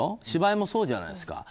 芝居もそうじゃないですか。